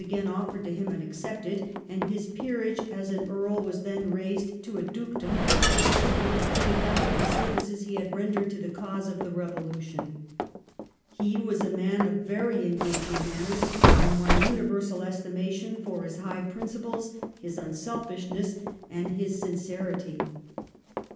again offered to him and accepted, and his peerage as an earl was then raised to a dukedom as a tribute to the valuable services he had rendered to the cause of the Eevolution. He was a man of very engaging manners, and won universal estimation for his high principles, his unselfishness, and his sincerity.